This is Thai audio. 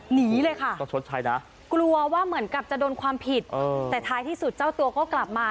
หนีเลยค่ะต้องชดใช้นะกลัวว่าเหมือนกับจะโดนความผิดแต่ท้ายที่สุดเจ้าตัวก็กลับมา